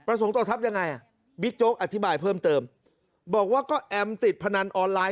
อะไรนะบีดโจ๊กอธิบายเพิ่มเติมบอกว่าก็แอมติดพนันออนไลน์